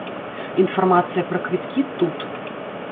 Інфармацыя пра квіткі тут.